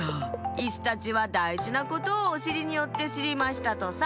イスたちはだいじなことをおしりによってしりましたとさ」。